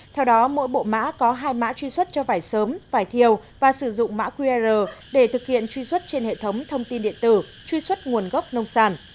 theo đó mỗi bộ mã có hai mã truy xuất cho vải sớm vải thiều và sử dụng mã qr để thực hiện truy xuất trên hệ thống thông tin điện tử truy xuất nguồn gốc nông sản